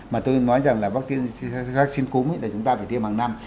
mà tôi nói rằng là vaccine cúm thì chúng ta phải tiêm hàng năm